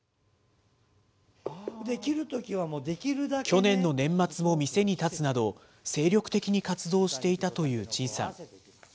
去年の年末も店に立つなど、精力的に活動していたという陳さん。